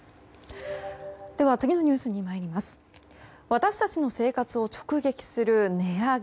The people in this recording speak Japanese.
私たちの生活を直撃する値上げ